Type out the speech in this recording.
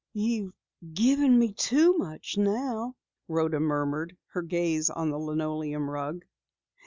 "You've given me too much now," Rhoda murmured, her gaze on the linoleum rug.